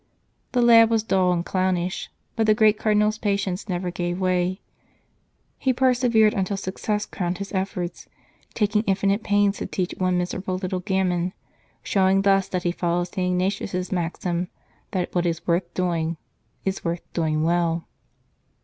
The lad was dull and clownish, but the great Cardinal s patience never gave way ; he persevered until success crowned his efforts, taking infinite pains to teach one miserable little gamin, showing thus that he followed St. Ignatius s maxim that what is worth doing is worth doing well.